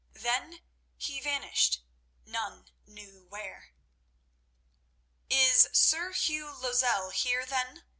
Then he vanished—none knew where. "Is Sir Hugh Lozelle here then?"